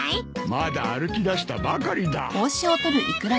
まだ歩きだしたばかりだ。